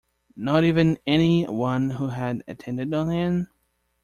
Not even any one who had attended on him?